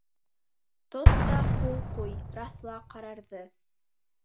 Тот та ҡул ҡуй, раҫла ҡарарҙы.